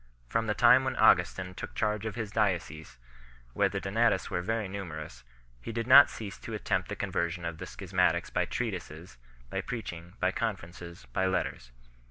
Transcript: From the time when Augustin took charge of his diocese, where the Donatists were very numerous, he did not cease to attempt the conversion of the schis matics by treatises, by preaching, by conferences, by letters.